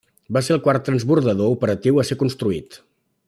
Va ser el quart transbordador operatiu a ser construït.